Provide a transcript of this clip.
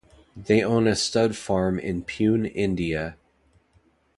They own a stud farm in Pune, India.